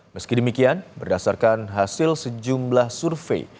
meski demikian berdasarkan hasil sejumlah survei